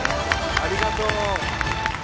ありがとう！